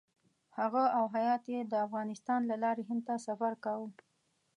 هغه او هیات یې د افغانستان له لارې هند ته سفر کاوه.